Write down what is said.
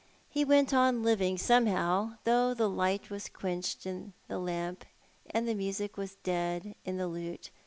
Ho went on living somehow, thougli the light was quenched in the lamp, and the music was dead in the lute.